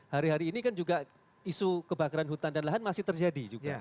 hari hari ini kan juga isu kebakaran hutan dan lahan masih terjadi juga